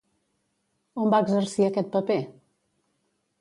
On va exercir aquest paper?